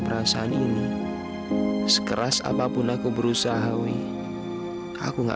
semuanya juga kembali kerja